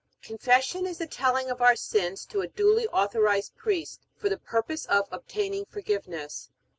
Confession is the telling of our sins to a duly authorized priest, for the purpose of obtaining forgiveness.